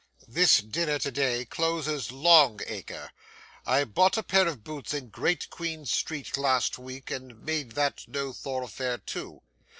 This dinner today closes Long Acre. I bought a pair of boots in Great Queen Street last week, and made that no throughfare too.